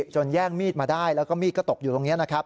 แย่งมีดมาได้แล้วก็มีดก็ตกอยู่ตรงนี้นะครับ